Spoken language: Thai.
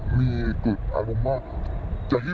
จะเฮี่ยวไปแล้วจะรากไปแล้วไปไปนี่